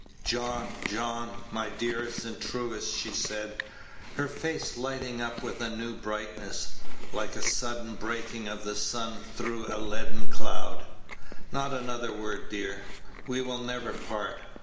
"John, John, my dearest and truest," she said, her face lighting up with a new brightness, like the sudden breaking of the sun through a leaden cloud, "not another word, dear; we will never part.